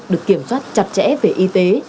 được kiểm soát chặt chẽ về y tế